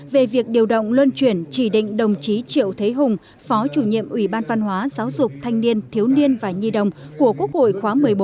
về việc điều động luân chuyển chỉ định đồng chí triệu thế hùng phó chủ nhiệm ủy ban văn hóa giáo dục thanh niên thiếu niên và nhi đồng của quốc hội khóa một mươi bốn